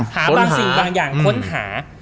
ค้นหาหาบางสิ่งบางอย่างค้นหา